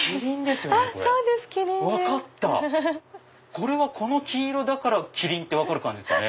これはこの黄色だからキリンって分かる感じですかね。